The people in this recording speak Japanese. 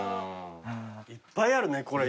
いっぱいあるねこれ。